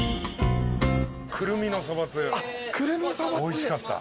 おいしかった。